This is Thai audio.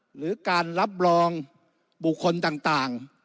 หรือการรับรองบุคคลต่าง